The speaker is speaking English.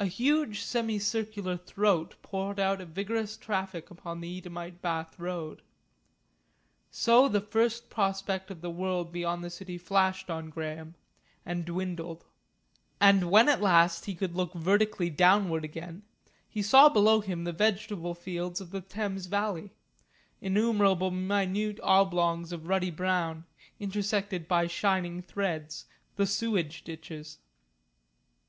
A huge semi circular throat poured out a vigorous traffic upon the Eadhamite Bath Road. So the first prospect of the world beyond the city flashed on Graham, and dwindled. And when at last he could look vertically downward again, he saw below him the vegetable fields of the Thames valley innumerable minute oblongs of ruddy brown, intersected by shining threads, the sewage ditches.